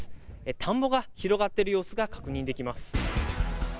田んぼが広がってる様子が確認できます。